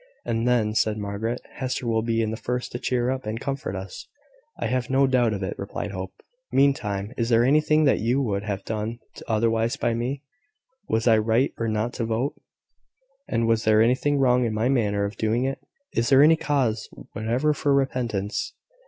"And then," said Margaret, "Hester will be the first to cheer up and comfort us." "I have no doubt of it," replied Hope. "Meantime, is there anything that you would have had done otherwise by me? Was I right or not to vote? and was there anything wrong in my manner of doing it? Is there any cause whatever for repentance?"